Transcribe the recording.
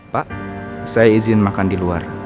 pak saya izin makan di luar